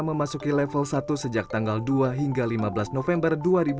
memasuki level satu sejak tanggal dua hingga lima belas november dua ribu dua puluh